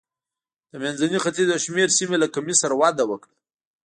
د منځني ختیځ یو شمېر سیمې لکه مصر وده وکړه.